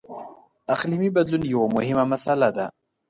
• اقلیمي بدلون یوه مهمه مسله ده.